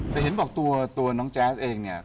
แต่เห็นบอกตัวน้องแจ๊สเองเนี่ย